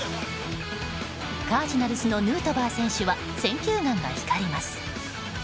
カージナルスのヌートバー選手は選球眼が光ります。